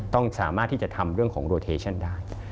ต้องสามารถที่จะทำเรื่องของโลเคชั่นได้